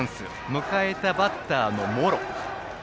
迎えたバッターの茂呂。